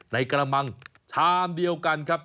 ในกระมังชามเดียวกันครับ